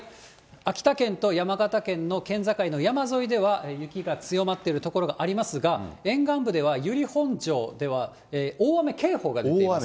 秋田県と山形県の県境の山沿いでは、雪が強まっている所がありますが、沿岸部では、由利本荘では、大雨警報が出ています。